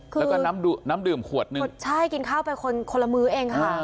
คือแล้วก็น้ำดื่มน้ำดื่มขวดหนึ่งใช่กินข้าวไปคนคนละมือเองค่ะ